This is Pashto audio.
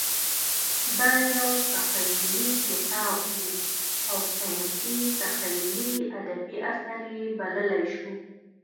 دا یو تخیلي کتاب و او ساینسي تخیلي ادبي اثر یې بللی شو.